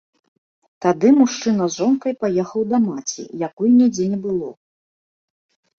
Тады мужчына з жонкай паехаў да маці, якой нідзе не было.